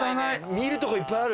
見るとこいっぱいある。